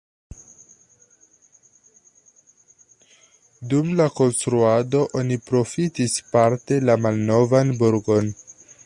Dum la konstruado oni profitis parte la malnovan burgon.